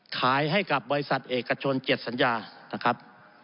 ขายให้กับบริษัทเอกชน๗สัญญานะครับ